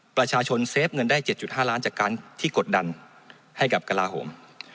ประชาชนเซฟเงินได้เจ็ดจุดห้าล้านจากการที่กดดันให้กับกราโฮม